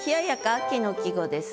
秋の季語ですね。